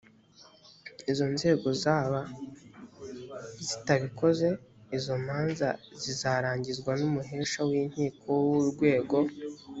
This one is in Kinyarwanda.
izo nzego zaba zitabikoze izo manza zizarangizwa n umuhesha w inkiko w urwego